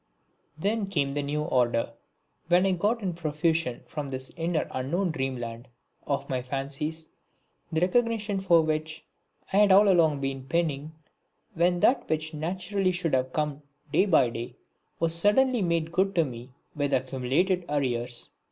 Then came the new order, when I got in profusion from this inner unknown dreamland of my fancies the recognition for which I had all along been pining; when that which naturally should have come day by day was suddenly made good to me with accumulated arrears.